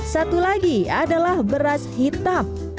satu lagi adalah beras hitam